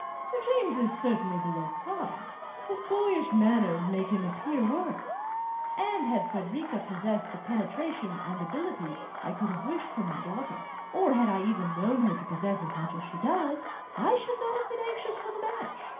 Sir James is certainly below par (his boyish manners make him appear worse); and had Frederica possessed the penetration and the abilities which I could have wished in my daughter, or had I even known her to possess as much as she does, I should not have been anxious for the match."